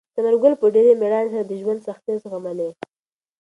ثمر ګل په ډېرې مېړانې سره د ژوند سختۍ زغملې.